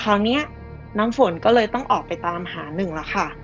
น้ำฝนก็เลยต้องออกไปตามหาหนึ่งแล้วค่ะ